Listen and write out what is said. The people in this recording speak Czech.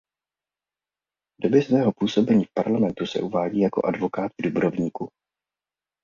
V době svého působení v parlamentu se uvádí jako advokát v Dubrovníku.